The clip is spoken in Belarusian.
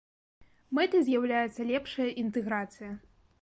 Мэтай з'яўляецца лепшая інтэграцыя.